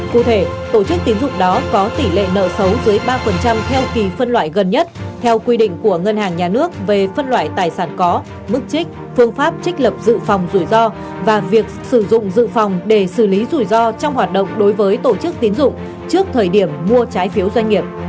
cụ thể tổ chức tín dụng đó có tỷ lệ nợ xấu dưới ba theo kỳ phân loại gần nhất theo quy định của ngân hàng nhà nước về phân loại tài sản có mức trích phương pháp trích lập dự phòng rủi ro và việc sử dụng dự phòng để xử lý rủi ro trong hoạt động đối với tổ chức tiến dụng trước thời điểm mua trái phiếu doanh nghiệp